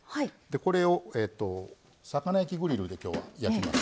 これを魚焼きグリルできょうは焼きます。